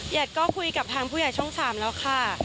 ก็คุยกับทางผู้ใหญ่ช่อง๓แล้วค่ะ